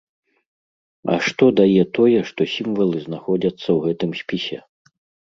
А што дае тое, што сімвалы знаходзяцца ў гэтым спісе?